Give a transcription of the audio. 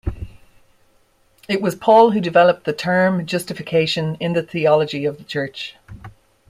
It was Paul who developed the term justification in the theology of the church.